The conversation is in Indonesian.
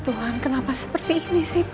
tuhan kenapa seperti ini sih